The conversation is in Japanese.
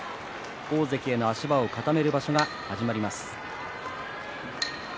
大関への足場を固める場所が始まります。